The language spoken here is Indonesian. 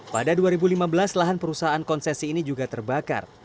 pada dua ribu lima belas lahan perusahaan konsesi ini juga terbakar